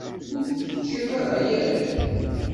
Ur t-teččiḍ ara, yak?